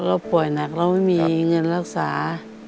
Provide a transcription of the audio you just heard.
เราป่วยหนักเราไม่มีเงินรักษา